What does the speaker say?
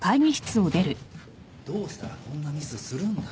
どうしたらこんなミスするんだよ。